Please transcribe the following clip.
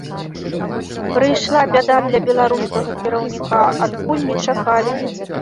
Прыйшла бяда для беларускага кіраўніка, адкуль не чакалі.